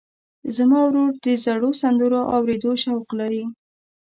زما ورور د زړو سندرو اورېدو شوق لري.